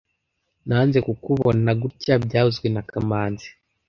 Nanze kukubona gutya byavuzwe na kamanzi